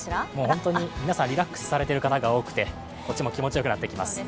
本当に皆さんリラックスしている方が多くて、こっちも気持ちよくなってきます。